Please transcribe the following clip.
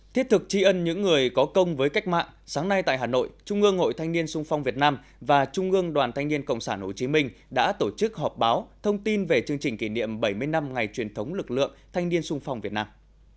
thiết thực tri ân những người có công với cách mạng sáng nay tại hà nội trung ương hội thanh niên sung phong việt nam và trung ương đoàn thanh niên cộng sản hồ chí minh đã tổ chức họp báo thông tin về chương trình kỷ niệm bảy mươi năm ngày truyền thống lực lượng thanh niên sung phong việt nam